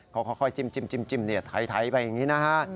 ค่อยจิ้มเนียดไถไปอย่างนี้นะฮะ